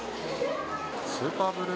スーパーブルー